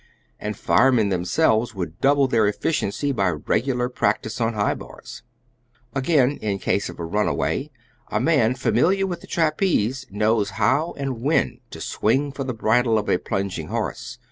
And firemen themselves would double their efficiency by regular practice on high bars. Again, in case of a runaway, a man familiar with the trapeze knows how and when to spring for the bridle of a plunging horse.